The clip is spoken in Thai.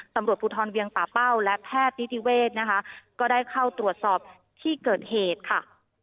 ตำรวจภูทรเวียงป่าเป้าและแพทย์นิติเวศนะคะก็ได้เข้าตรวจสอบที่เกิดเหตุค่ะ